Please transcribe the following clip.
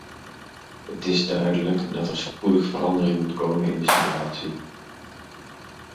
Het is duidelijk dat er spoedig verandering moet komen in de situatie.